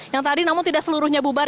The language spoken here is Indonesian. yang tadi namun tidak seluruhnya bubar